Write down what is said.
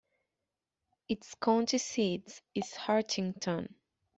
Its county seat is Hartington.